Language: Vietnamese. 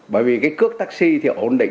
bởi vì cái cước taxi thì ổn định